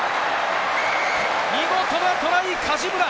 見事なトライ、梶村！